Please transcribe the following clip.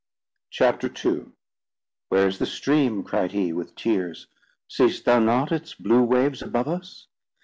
CHAPTER II "'Where is the stream?' cried he, with tears. 'Seest thou not its blue waves above us?